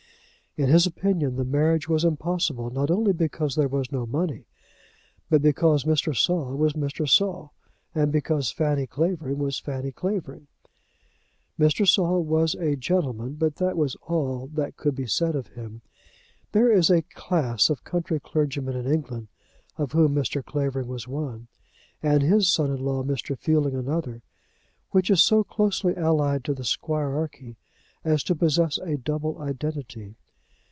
In his opinion, the marriage was impossible, not only because there was no money, but because Mr. Saul was Mr. Saul, and because Fanny Clavering was Fanny Clavering. Mr. Saul was a gentleman; but that was all that could be said of him. There is a class of country clergymen in England, of whom Mr. Clavering was one, and his son in law, Mr. Fielding, another, which is so closely allied to the squirearchy, as to possess a double identity.